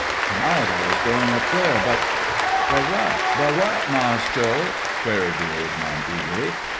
To night I was going up there, but" "But what, but what, Mars' George?" queried the old man eagerly.